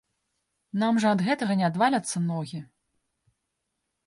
Нам жа ад гэтага не адваляцца ногі.